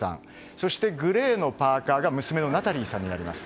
そして、グレーのパーカが娘のナタリーさんになります。